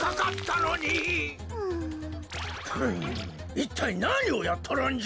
いったいなにをやっとるんじゃ！